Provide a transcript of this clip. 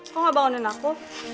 kok gak bangunin aku